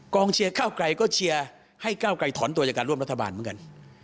เชียร์ก้าวไกลก็เชียร์ให้ก้าวไกลถอนตัวจากการร่วมรัฐบาลเหมือนกัน